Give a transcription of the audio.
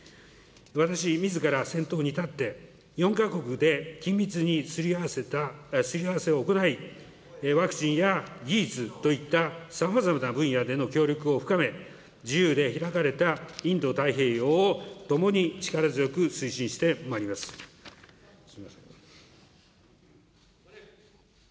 私みずから先頭に立って、４か国で緊密にすり合わせた、すり合わせを行い、ワクチンや技術といったさまざまな分野での協力を深め、自由で開かれたインド太平洋をともに力強く推進してまいります。